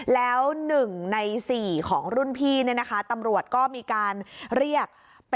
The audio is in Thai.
แล้ว๑ใน๔ของรุ่นพี่ตำรวจก็มีการเรียก